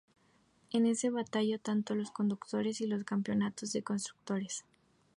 En se batalló tanto para los conductores y los campeonatos de constructores.